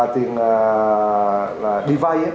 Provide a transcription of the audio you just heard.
tiền đi vay